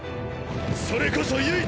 それこそ唯一！！